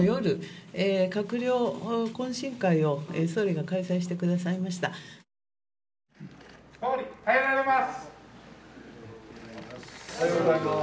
総理、おはようございます。